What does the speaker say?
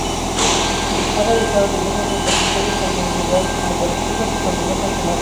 Ha realizado diversas exposiciones tanto individuales como colectivas y con diversas temáticas.